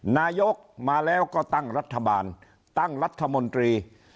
นายกมาแล้วก็ตั้งรัฐบาลตั้งรัฐมนตรี